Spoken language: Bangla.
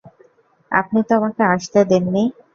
আপনি তো আমাকে আসতে দেননি।